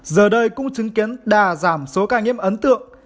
giờ đây cũng chứng kiến đà giảm số ca nhiễm ấn tượng